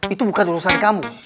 itu bukan urusan kamu